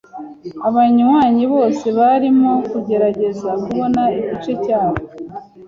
Abanywanyi bose barimo kugerageza kubona igice cyabo.